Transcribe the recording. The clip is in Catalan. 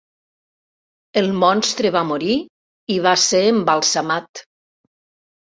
El monstre va morir i va ser embalsamat.